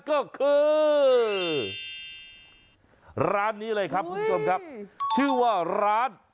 ก็เขียนอย่างนี้เนี่ย